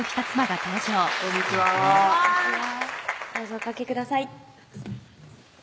どうぞおかけください